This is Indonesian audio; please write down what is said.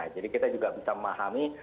jadi kita juga bisa memahami